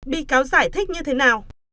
bị cáo giải thích như thế nào